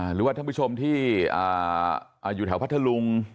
หรือว่าท่านผู้ชมที่อยู่แถวพัทธลุง